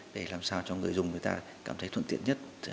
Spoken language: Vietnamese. để làm sao cho người dùng cảm thấy thuận tiện nhất